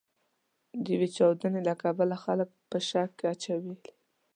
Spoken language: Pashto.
د یوې چاودنې له کبله خلک په شک کې اچولي.